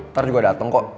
ntar juga dateng kok